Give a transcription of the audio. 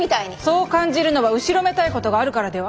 そう感じるのは後ろめたいことがあるからでは？